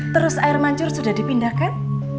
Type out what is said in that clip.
terus air mancur sudah dipindahkan